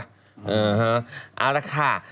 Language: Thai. เอ้าแล้วค่ะ